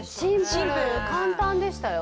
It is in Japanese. シンプル簡単でしたよ